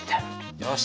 よし！